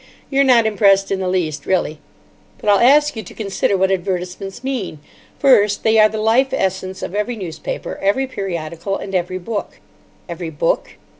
"You're not impressed in the least, really. But I'll ask you to consider what advertisements mean. First, they are the life essence of every newspaper, every periodical, and every book." "Every book?"